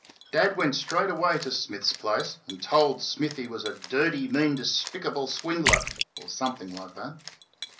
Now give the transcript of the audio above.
Dad went straightaway to Smith's place, and told Smith he was a dirty, mean, despicable swindler or something like that.